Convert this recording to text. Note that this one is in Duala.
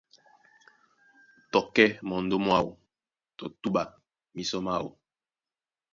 Tɔ kɛ́ mondó mwáō tɔ túɓa mísɔ máō.